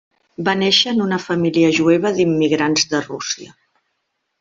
Va néixer en una família jueva d'immigrants de Rússia.